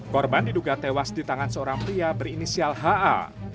korban diduga tewas di tangan seorang pria berinisial ha